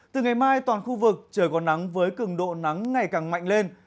từ ngày mai toàn khu vực trời có nắng với cường độ nắng ngày càng mạnh lên